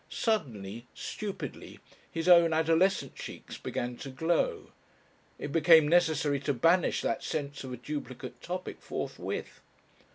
Suddenly, stupidly, his own adolescent cheeks began to glow. It became necessary to banish that sense of a duplicate topic forthwith.